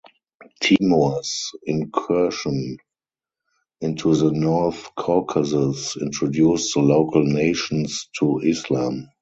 Timur's incursion into the North Caucasus introduced the local nations to Islam.